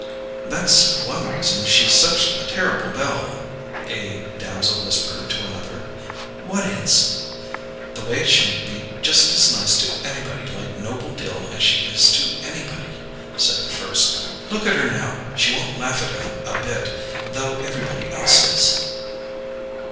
"That's one reason she's such a terrible belle," a damsel whispered to another. "What is?" "The way she'll be just as nice to anybody like Noble Dill as she is to anybody," said the first. "Look at her now: she won't laugh at him a bit, though everybody else is."